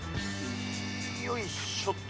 よいしょっと。